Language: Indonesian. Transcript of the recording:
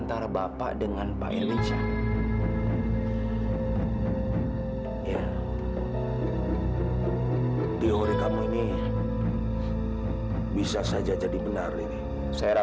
sampai jumpa di video selanjutnya